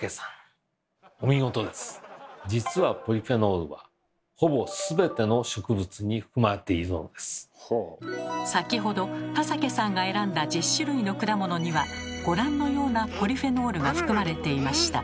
実はポリフェノールは先ほど田サケさんが選んだ１０種類の果物にはご覧のようなポリフェノールが含まれていました。